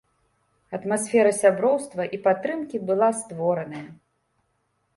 Атмасфера сяброўства і падтрымкі была створаная.